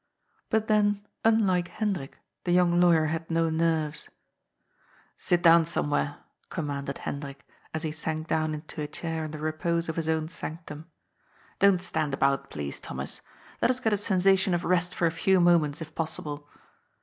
But then, unlike Hendrik, the young lawyer had no nenres. "Sit down somewhere," commanded Hendrik, as he sank down into a chair in the repose of his own sanctum. " Don't stand about, please, Thomas. Let us get a sensa tion of rest for a few moments, if possible."